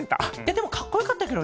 でもかっこよかったケロ。